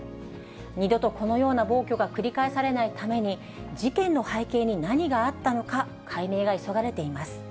二度とこのような暴挙が繰り返されないために、事件の背景に何があったのか、解明が急がれています。